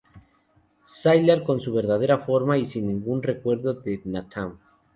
Sylar con su verdadera forma y sin ningún recuerdo de Nathan.